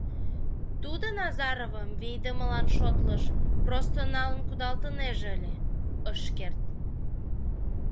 Тудо Назаровым вийдымылан шотлыш, просто налын кудалтынеже ыле — ыш керт.